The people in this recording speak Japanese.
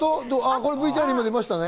今ＶＴＲが出ましたね。